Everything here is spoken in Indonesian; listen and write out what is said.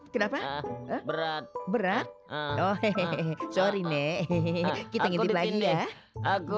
kenapa berat berat oh hehehe sorry nek kita ngitip lagi ya aku